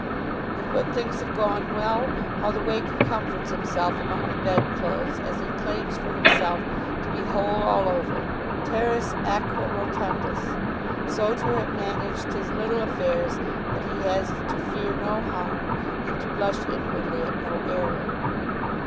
And when things have gone well, how the waker comforts himself among the bedclothes as he claims for himself to be whole all over, teres atque rotundus, so to have managed his little affairs that he has to fear no harm, and to blush inwardly at no error!